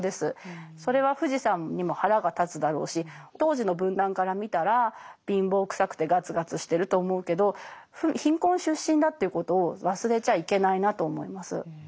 それは富士山にも腹が立つだろうし当時の文壇から見たら貧乏くさくてガツガツしてると思うけど貧困出身だということを忘れちゃいけないなと思います。